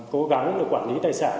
cố gắng quản lý tài sản